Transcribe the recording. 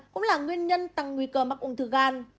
cũng là nguyên nhân tăng nguy cơ mắc ung thư gan